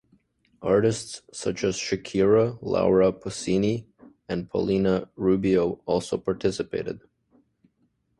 Artists such as Shakira, Laura Pausini and Paulina Rubio also participated.